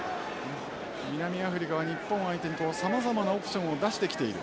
南アフリカは日本相手にさまざまなオプションを出してきている。